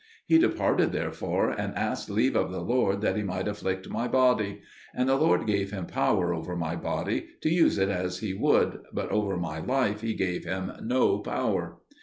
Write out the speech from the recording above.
He departed, therefore, and asked leave of the Lord that he might afflict my body. And the Lord gave him power over my body to use it as he would, but over my life He gave him no power.